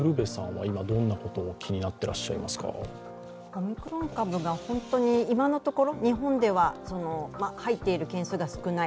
オミクロン株が本当に今のところ日本では入っている件数が少ない。